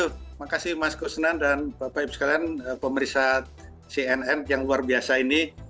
terima kasih mas kusnan dan bapak ibu sekalian pemeriksa cnn yang luar biasa ini